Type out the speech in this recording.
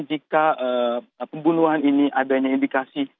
jika pembunuhan ini adanya indikasi